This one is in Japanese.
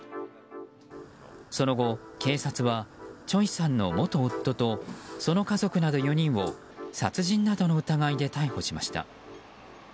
その後、警察はチョイさんの元夫とその家族など４人を殺人などの疑いで逮捕しました。